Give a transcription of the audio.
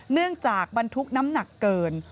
เนื่องจากบรรทุกน้ำหนักเกิน